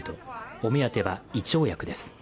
お目当ては胃腸薬です。